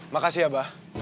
makasih ya abah